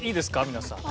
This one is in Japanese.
皆さん。